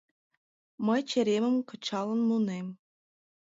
Мый черемым кычалын мунем...